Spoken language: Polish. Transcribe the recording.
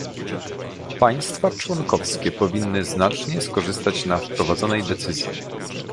Państwa członkowskie powinny znacznie skorzystać na wprowadzonej decyzji